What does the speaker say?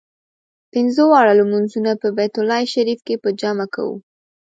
پنځه واړه لمونځونه په بیت الله شریف کې په جمع کوو.